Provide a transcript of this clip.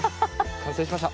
完成しました！